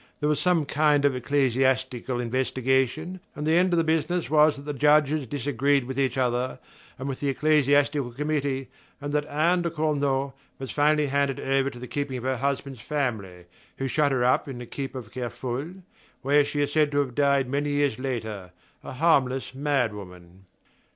There was some kind of ecclesiastical investigation, and the end of the business was that the Judges disagreed with each other, and with the ecclesiastical committee, and that Anne de Cornault was finally handed over to the keeping of her husband's family, who shut her up in the keep of Kerfol, where she is said to have died many years later, a harmless madwoman.